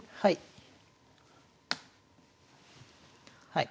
はい。